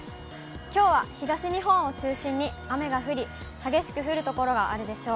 きょうは東日本を中心に雨が降り、激しく降る所があるでしょう。